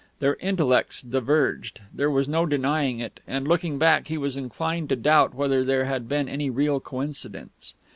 Their intellects diverged; there was no denying it; and, looking back, he was inclined to doubt whether there had been any real coincidence.